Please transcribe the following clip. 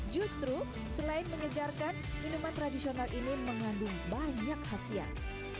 justru selain menyegarkan minuman tradisional ini mengandung banyak khasiat